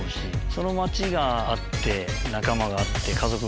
その街があって仲間があって家族があって。